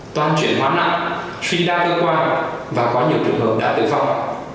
toàn chuyển hóa nặng suy đa cơ quan và có nhiều trường hợp đã tử vong